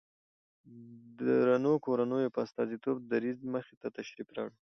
د درنو کورنيو په استازيتوب د دريځ مخې ته تشریف راوړي